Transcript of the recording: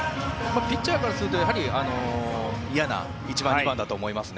ピッチャーからすると嫌な１番、２番だと思います。